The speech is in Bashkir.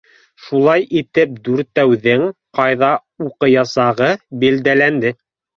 Шулай итеп, дүртәүҙең ҡайҙа уҡыясағы билдәләнде.